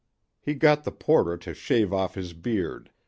He got the porter to shave off his beard.